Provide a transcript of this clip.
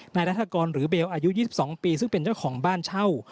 นายรัฐกรหรือเบลอายุ๒๒ปีซึ่งเป็นเจ้าของบ้านเช่า